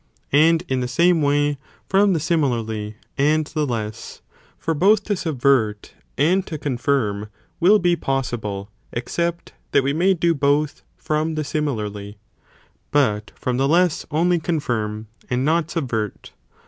And in the same way from the simi larly and the less, for both to subvert and to confirm, will be possible, except (that we may do) both from the similarly, but from the less, only confirm, and not subvert.